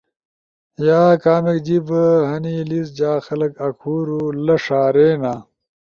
۔ یا کامک جیِب ہنی لیس جا خلگ آکھُورو لݜا رینا؟